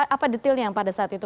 apa detailnya yang pada saat itu